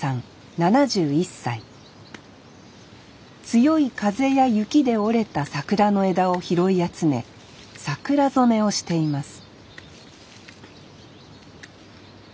強い風や雪で折れた桜の枝を拾い集め桜染めをしています